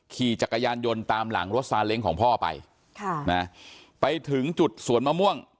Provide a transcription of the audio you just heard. ขี่จักรยานยนต์ตามหลังรถซาเล้งของพ่อไปค่ะนะไปถึงจุดสวนมะม่วง